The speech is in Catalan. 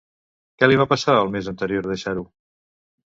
Què li va passar el mes anterior a deixar-ho?